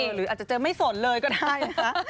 หรืออาจจะเจอไม่สนเลยก็ได้นะคะ